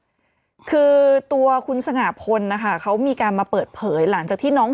คือตัวคุณสง่าพลนะคะเขามีการมาเปิดเผยหลังจากที่น้อง